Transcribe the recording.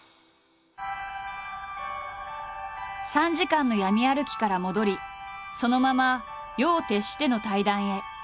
３時間の闇歩きから戻りそのまま夜を徹しての対談へ。